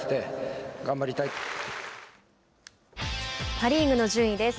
パ・リーグの順位です。